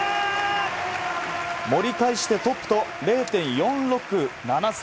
盛り返して、トップと０．４６７差。